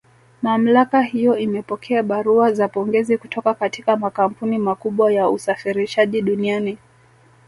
Mamlaka hiyo imepokea barua za pongezi kutoka katika makampuni makubwa ya usafirishaji duniani